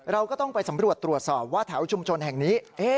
เราก็ต้องไปสำรวจตรวจสอบว่าแถวชุมชนแห่งนี้